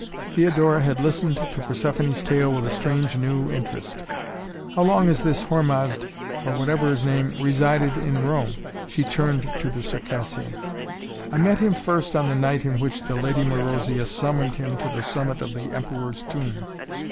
Theodora had listened to Persephoné's tale with a strange new interest. "How long has this Hormazd or whatever his name resided in Rome?" she turned to the Circassian. "I met him first on the night on which the lady Marozia summoned him to the summit of the Emperor's Tomb.